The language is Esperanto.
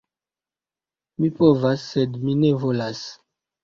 Mi povas, sed mi ne volas.